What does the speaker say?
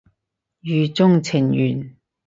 語中程緣